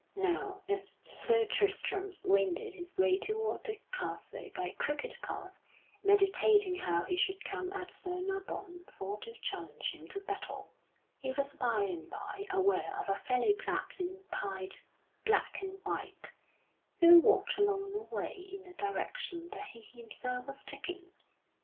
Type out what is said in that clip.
Now as Sir Tristram wended his way toward that castle by a crooked path meditating how he should come at Sir Nabon for to challenge him to battle, he was by and by aware of a fellow clad in pied black and white, who walked along the way in the direction that he himself was taking.